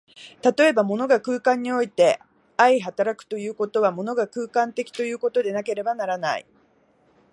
例えば、物が空間において相働くということは、物が空間的ということでなければならない。